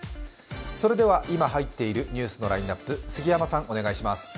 それでは今入っているニュースのラインナップ、お願いします。